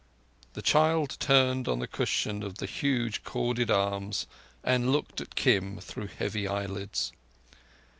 The child turned on the cushion of the huge corded arms and looked at Kim through heavy eyelids.